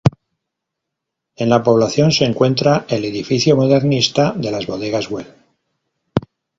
En la población se encuentra el edificio modernista de las Bodegas Güell.